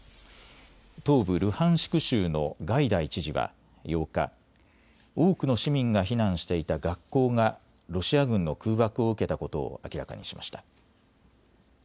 東部ルハンシク州のガイダイ知事は８日、多くの市民が避難していた学校がロシア軍の空爆を受けたことを明らかにしました。